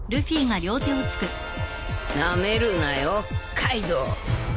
なめるなよカイドウ。